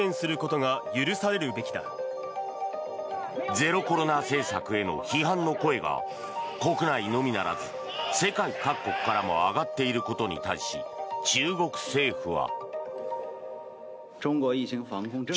ゼロコロナ政策への批判の声が国内のみならず世界各国からも上がっていることに対し中国政府は。